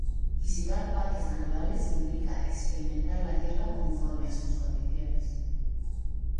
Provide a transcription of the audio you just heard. Visitar parques naturales implica experimentar la tierra conforme a sus condiciones.